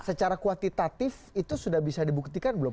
secara kuantitatif itu sudah bisa dibuktikan belum